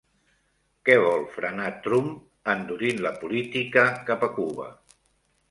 Què vol frenar Trump endurint la política cap a Cuba?